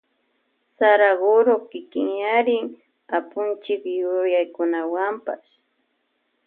Saraguro kikinyarin Apunchik yuyaykunawanpash.